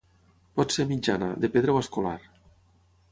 Pot ser mitjana, de pedra o escolar.